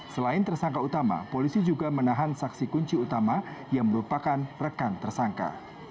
selain tersangka utama polisi juga menahan saksi kunci utama yang merupakan rekan tersangka